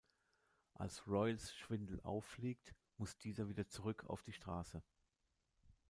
Als Royals Schwindel auffliegt, muss dieser wieder zurück auf die Straße.